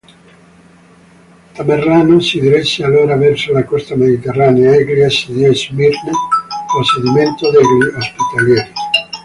Tamerlano si diresse allora verso la costa mediterranea; egli assediò Smirne, possedimento degli Ospitalieri.